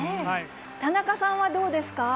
田中さんはどうですか。